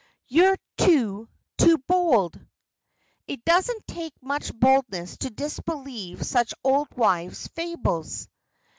"You're too, too bold!" "It doesn't take much boldness to disbelieve such old wives' fables."